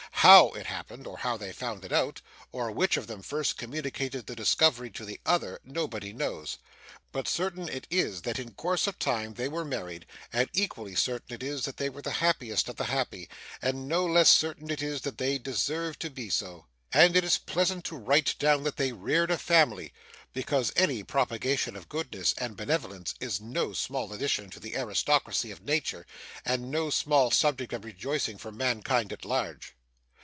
HOW it happened, or how they found it out, or which of them first communicated the discovery to the other, nobody knows. But certain it is that in course of time they were married; and equally certain it is that they were the happiest of the happy; and no less certain it is that they deserved to be so. And it is pleasant to write down that they reared a family; because any propagation of goodness and benevolence is no small addition to the aristocracy of nature, and no small subject of rejoicing for mankind at large.